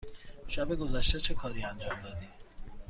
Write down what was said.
شب گذشته چه کاری انجام دادی؟